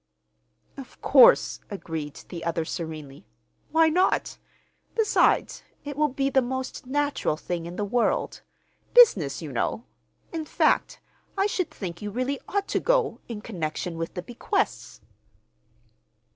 "Of course," agreed the other serenely. "Why not? Besides, it will be the most natural thing in the world—business, you know. In fact, I should think you really ought to go, in connection with the bequests."